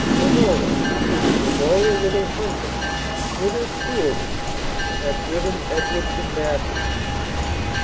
Leonora, Leonora with her hunger, with her cruelty had driven Edward to madness.